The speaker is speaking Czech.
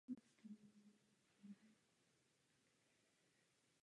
Působil také v pražské živnostenské komoře.